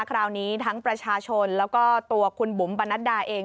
คราวนี้ทั้งประชาชนแล้วก็ตัวคุณบุ๋มปนัดดาเอง